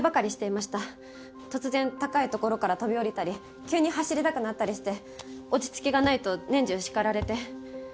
突然高い所から飛び降りたり急に走りたくなったりして落ち着きがないと年中叱られて。